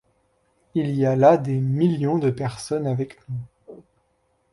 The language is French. Il y a là des millions de personnes avec nous.